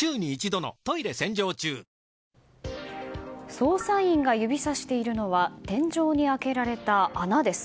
捜査員が指差しているのは天井に開けられた穴です。